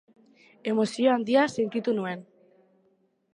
Emozio handia sentitu nuen.